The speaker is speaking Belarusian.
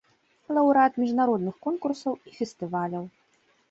Лаўрэат міжнародных конкурсаў і фестываляў.